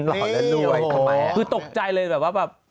หล่อแล้วรวยทำไมคือตกใจเลยแบบว่าแบบ